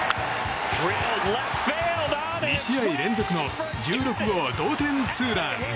２試合連続の１６号同点ツーラン！